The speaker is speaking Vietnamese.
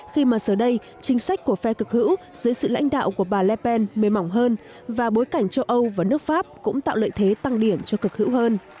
khi mà giờ đây chính sách của phe cực hữu dưới sự lãnh đạo của bà lpen mềm mỏng hơn và bối cảnh châu âu và nước pháp cũng tạo lợi thế tăng điểm cho cực hữu hơn